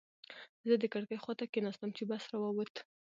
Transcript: زه د کړکۍ خواته کېناستم چې بس را ووت.